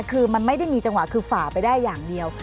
คือมันไม่ได้มีจังหวะคือฝ่าไปได้อย่างเดียว